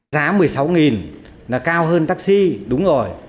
giá một mươi sáu là cao hơn taxi đúng rồi